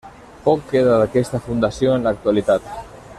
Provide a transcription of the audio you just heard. Poc queda d'aquesta fundació en l'actualitat.